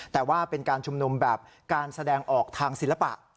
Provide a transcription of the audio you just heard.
แต่ว่าเป็นการชุมนุมแบบการแสดงออกทางศิลปะ